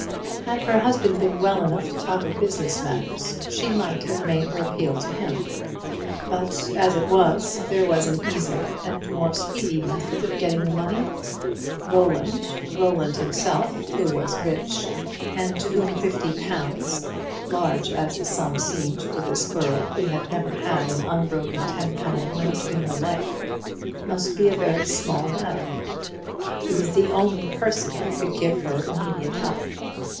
Had her husband been well enough to talk of business matters, she might have made her appeal to him; but as it was, there was an easier and more speedy method of getting the money. Roland, Roland himself, who was rich, and to whom fifty pounds, large as the sum seemed to this girl, who had never had an unbroken ten pound note in her life, must be a very small matter; he was the only person who could give her immediate help.